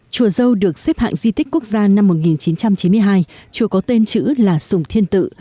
chùa dâu được xếp hạng di tích quốc gia năm một nghìn chín trăm chín mươi hai chùa có tên chữ là sùng thiên tự